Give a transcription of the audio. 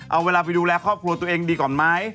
เอาเวลาไปดูแลครอบครัวตัวเองดีก่อนไหม